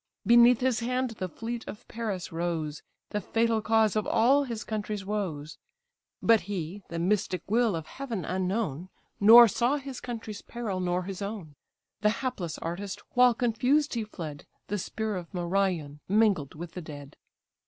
Beneath his hand the fleet of Paris rose, The fatal cause of all his country's woes; But he, the mystic will of heaven unknown, Nor saw his country's peril, nor his own. The hapless artist, while confused he fled, The spear of Merion mingled with the dead.